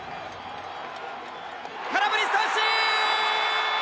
空振り三振！